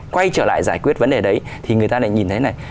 quay trở lại giải quyết vấn đề đấy thì người ta lại nhìn thấy này